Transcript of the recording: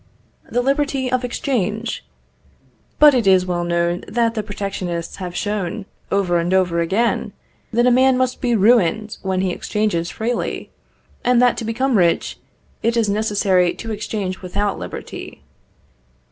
The liberty of exchange? But it is well known that the protectionists have shown, over and over again, that a man must be ruined when he exchanges freely, and that to become rich it is necessary to exchange without liberty.